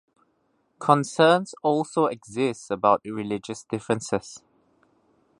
Concerns also exist about religious differences.